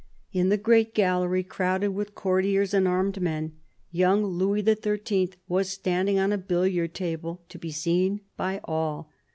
In the great gallery, crowded with courtiers and armed men, young Louis XIII. was standing on a billiard table, to be seen by all.